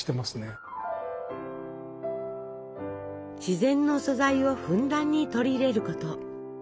自然の素材をふんだんに取り入れること。